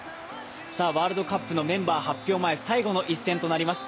ワールドカップのメンバー発表前、最後の一戦となります。